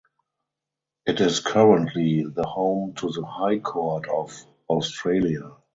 It is currently the home to the High Court of Australia.